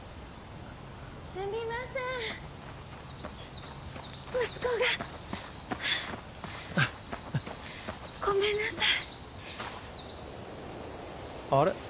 ・すみません息子がごめんなさいあれ？